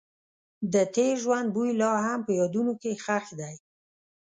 د تېر ژوند بوی لا هم په یادونو کې ښخ دی.